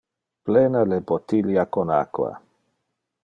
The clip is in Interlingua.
Plena le bottilia con aqua.